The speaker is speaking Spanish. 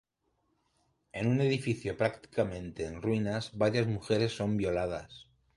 En un edificio prácticamente en ruinas varias mujeres son violadas.